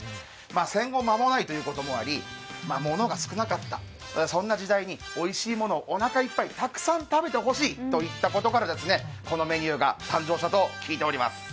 戦後間もないということもあり物が少なかったそんな時代においしいものをおなかいっぱいたくさん食べてほしいということからこのメニューが誕生したと聞いております。